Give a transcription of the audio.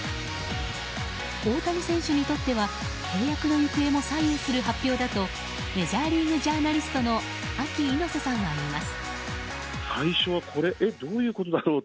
大谷選手にとっては契約の行方も左右する発表だとメジャーリーグジャーナリストのＡＫＩ猪瀬さんは言います。